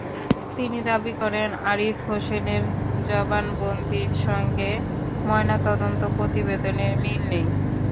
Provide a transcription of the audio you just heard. তিনি দাবি করেন, আরিফ হোসেনের জবানবন্দির সঙ্গে ময়নাতদন্ত প্রতিবেদনের মিল নেই।